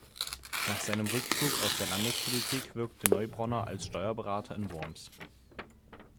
Nach seinem Rückzug aus der Landespolitik wirkte Neubronner als Steuerberater in Worms.